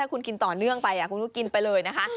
คุณกินต่อเนื่องไปคุณก็กินไปเลยนะคะ